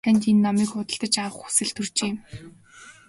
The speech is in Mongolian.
Танд энэ номыг худалдаж авах хүсэл төржээ.